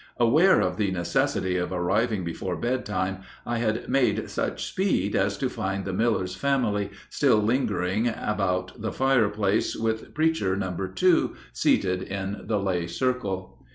Aware of the necessity of arriving before bedtime, I had made such speed as to find the miller's family still lingering about the fireplace with preacher number two seated in the lay circle.